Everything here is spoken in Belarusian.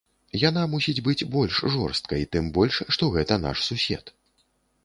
Яна мусіць быць больш жорсткай, тым больш што гэта наш сусед.